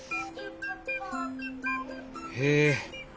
へえ。